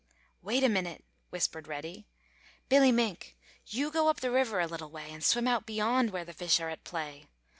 "Wait a minute," whispered Reddy. "Billy Mink, you go up the river a little way and swim out beyond where the fish are at play.